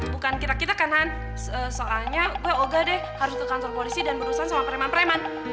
bukan kita kita kan han soalnya gue oga deh harus ke kantor polisi dan berusaha sama preman preman